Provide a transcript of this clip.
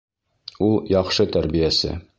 Ул яҡшы тәрбиәсе